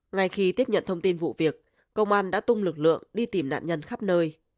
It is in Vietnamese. ngay khi tiếp nhận thông tin vụ việc công an đã tung lực lượng đi tìm nạn nhân khắp nơi